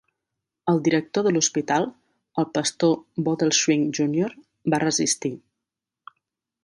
El director de l'hospital, el pastor Bodelschwingh Junior, va resistir.